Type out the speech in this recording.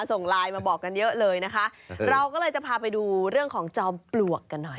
ส่งไลน์มาบอกกันเยอะเลยนะคะเราก็เลยจะพาไปดูเรื่องของจอมปลวกกันหน่อย